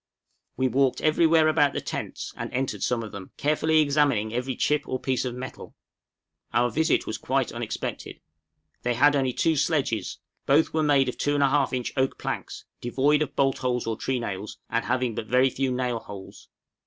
We walked everywhere about the tents and entered some of them, carefully examining every chip or piece of metal; our visit was quite unexpected. They had only two sledges; both were made of 2 1/2 inch oak planks, devoid of bolt holes or treenails, and having but very few nail holes.